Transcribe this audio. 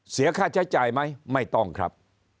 เสียค่าใช้จ่ายไหมไม่ต้องครับ